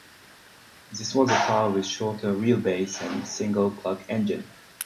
This was the car with shorter wheelbase and single plug engine.